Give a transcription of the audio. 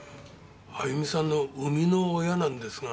歩美さんの生みの親なんですが。